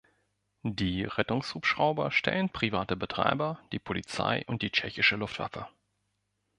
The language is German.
Die Rettungshubschrauber stellen private Betreiber, die Polizei und die Tschechische Luftwaffe.